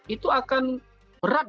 itu akan berat